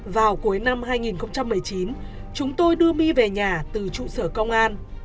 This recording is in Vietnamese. vào cuối năm hai nghìn một mươi chín chúng tôi đưa my về nhà từ trụ sở công an